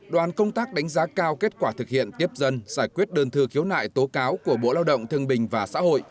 đoàn công tác đánh giá cao kết quả thực hiện tiếp dân giải quyết đơn thư khiếu nại tố cáo của bộ lao động thương bình và xã hội